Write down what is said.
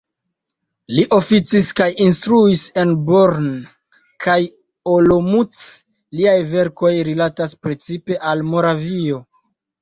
Li oficis kaj instruis en Brno kaj Olomouc, liaj verkoj rilatas precipe al Moravio.